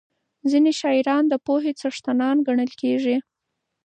ځینې شاعران د پوهې څښتنان ګڼل کېږي.